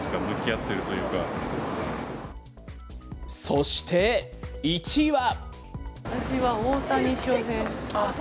そして１位は。